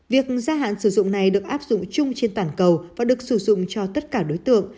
việc gia hạn sử dụng này được áp dụng chung trên toàn cầu và được sử dụng cho tất cả đối tượng